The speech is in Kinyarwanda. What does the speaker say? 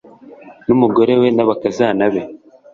n umugore we n abakazana be